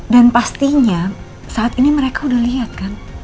dan pastinya saat ini mereka udah lihat kan